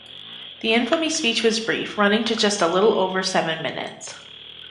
The Infamy Speech was brief, running to just a little over seven minutes.